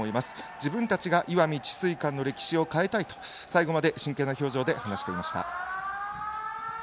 自分たちが石見智翠館の歴史を変えたいと最後まで真剣な表情で話していました。